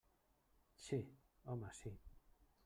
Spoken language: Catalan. Sí, home, sí.